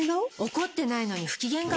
怒ってないのに不機嫌顔？